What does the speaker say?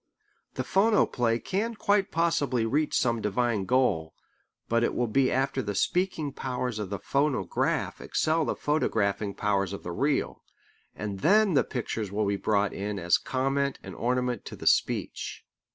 The phonoplay can quite possibly reach some divine goal, but it will be after the speaking powers of the phonograph excel the photographing powers of the reel, and then the pictures will be brought in as comment and ornament to the speech.